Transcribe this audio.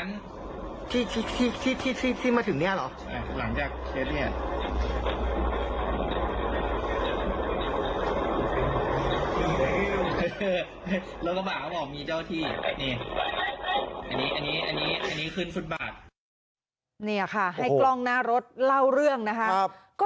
นี่ค่ะให้กล้องหน้ารถเล่าเรื่องนะคะ